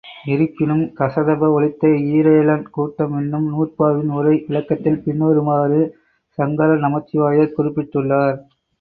இருப்பினும், கசதப ஒழித்த ஈரேழன் கூட்டம் என்னும் நூற்பாவின் உரை விளக்கத்தில் பின்வருமாறு சங்கர நமச்சிவாயர் குறிப்பிட்டுள்ளார்.